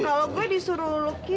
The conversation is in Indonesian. kalo gue disuruh lucky